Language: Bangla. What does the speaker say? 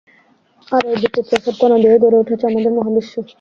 আর এই বিচিত্রসব কণা দিয়েই গড়ে উঠেছে আমাদের মহাবিশ্ব।